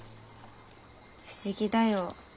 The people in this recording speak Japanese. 不思議だよ。